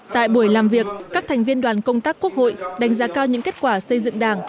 tại buổi làm việc các thành viên đoàn công tác quốc hội đánh giá cao những kết quả xây dựng đảng